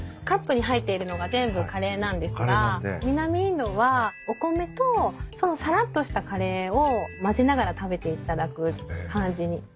カップに入っているのが全部カレーなんですが南インドはお米とそのさらっとしたカレーを混ぜながら食べていただく感じに。